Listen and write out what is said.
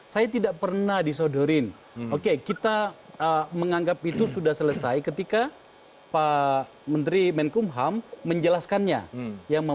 saran saran khas narapidananya